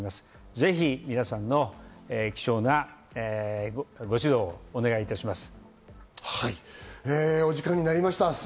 ぜひ皆さんの貴重なご指導お願いいたします。